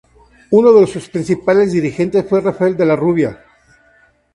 Uno de sus principales dirigentes fue Rafael de la Rubia.